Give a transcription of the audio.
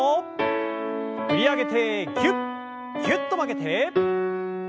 振り上げてぎゅっぎゅっと曲げて。